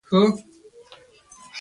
کوږ فکر خوشحالي نه درک کوي